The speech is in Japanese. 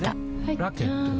ラケットは？